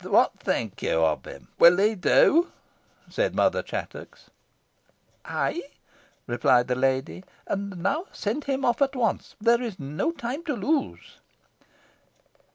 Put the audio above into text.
"What think you of him? Will he do?" said Mother Chattox. "Ay," replied the lady; "and now send him off at once. There is no time to lose."